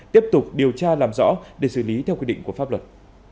tiếp tục điều tra làm rõ để xử lý theo quy định của pháp luật